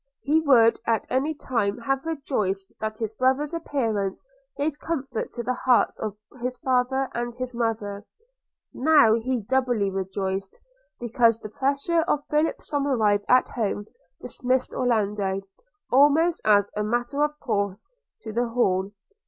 He would at any time have rejoiced that his brother's appearance gave comfort to the hearts of his father and his mother: he now doubly rejoiced, because the presence of Philip Somerive at home dismissed Orlando, almost as a matter of course, to the Hall.